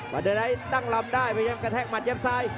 บาร์เดอร์ไดท์ตั้งลำได้ไปกระแทกมัดแยบซ้าย